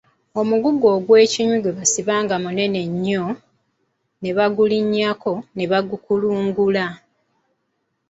Omugugu ogwekinyi gwe basiba ne gunywera nga munene nnyo, ne bagulinnyako, ne bagukulungula.